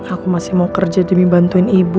aku masih mau kerja demi bantuin ibu